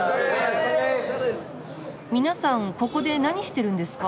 皆さんここで何してるんですか？